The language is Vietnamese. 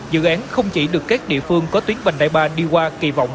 dự án không chỉ được các địa phương có tuyến vành đại ba đi qua kỳ vọng